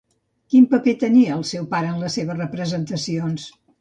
Quin paper tenia el seu pare en les seves representacions?